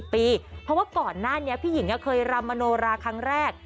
เพราะว่าก่อนหน้านี้พี่หญิงเคยรำมโนราครั้งแรก